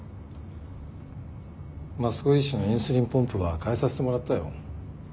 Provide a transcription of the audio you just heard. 益子医師のインスリンポンプはかえさせてもらったよ。